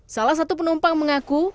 salah satu penumpang mengaku